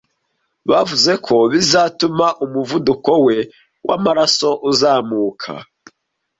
Bavuze ko bizatuma umuvuduko we wamaraso uzamuka.